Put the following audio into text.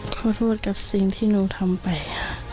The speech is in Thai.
ขอโทษกับสิ่งที่หนูทำไปค่ะ